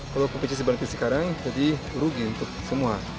kalau kompetisi seperti sekarang jadi rugi untuk semua